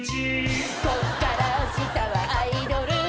「こっから下はアイドル」